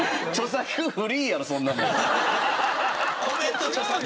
コメント著作権。